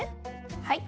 はい。